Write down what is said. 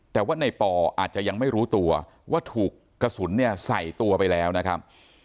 แต่ว่าในปออาจจะยังไม่รู้ตัวว่าถูกกระสุนเนี่ยใส่ตัวไปแล้วนะครับ